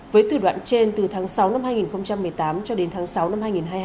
với tùy đoạn trên từ tháng sáu năm hai nghìn một mươi tám cho đến tháng sáu năm hai nghìn hai mươi hai